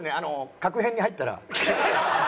確変に入ったら。